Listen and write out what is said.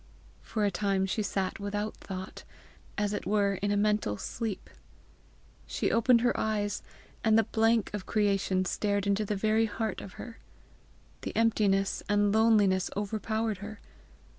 For a time she sat without thought, as it were in a mental sleep. She opened her eyes, and the blank of creation stared into the very heart of her. The emptiness and loneliness overpowered her.